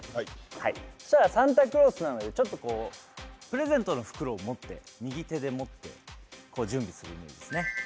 そうしたらサンタクロースなのでちょっとプレゼントの袋を持って右手で持って準備するんですね。